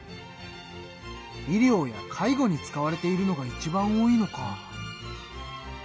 医療や介護に使われているのがいちばん多いのか。